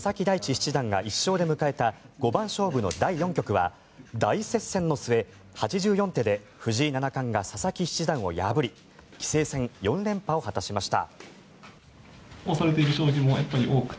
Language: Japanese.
七段が１勝で迎えた五番勝負の第４局は大接戦の末、８４手で藤井七冠が佐々木七段を破り棋聖戦４連覇を果たしました。